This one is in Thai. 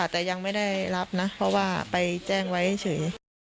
แต่ยังไม่ได้รับนะเพราะว่าไปแจ้งไว้เฉย